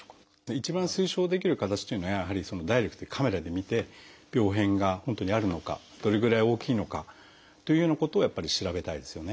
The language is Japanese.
一番推奨できる形というのはやはりダイレクトにカメラで見て病変が本当にあるのかどれぐらい大きいのかというようなことをやっぱり調べたいですよね。